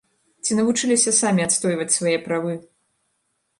Ці навучыліся самі адстойваць свае правы?